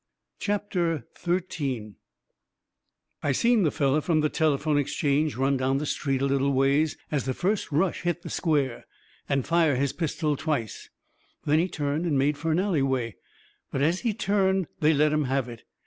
CHAPTER XIII I seen the feller from the telephone exchange run down the street a little ways as the first rush hit the square, and fire his pistol twice. Then he turned and made fur an alleyway, but as he turned they let him have it.